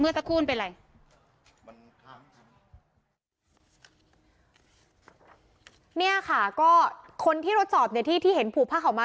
เนี่ยค่ะก็คนที่เราทดสอบเนี่ยที่เห็นผูพีของเขามา